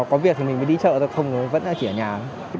có việc thì mình mới đi chợ không thì vẫn chỉ ở nhà thôi